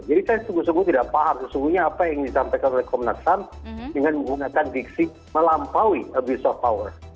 jadi saya sungguh sungguh tidak paham sesungguhnya apa yang ditampilkan oleh komnas ham dengan menggunakan diksi melampaui abuse of power